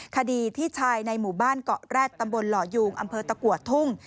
คดีที่ชายในหมู่บ้านเกาะแร็ดตำบลหล่อยูงอำเภอตะกัวทุ่ง